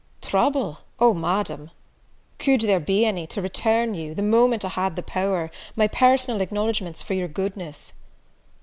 "Trouble! O, Madam, could there be any, to return you, the moment I had the power, my personal acknowledgments for your goodness?"